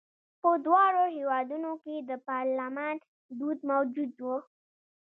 په دواړو هېوادونو کې د پارلمان دود موجود و.